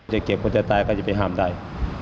จะเก็บกว่าจะตายก็จะไปห้ามใด